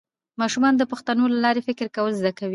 ماشومان د پوښتنو له لارې فکر کول زده کوي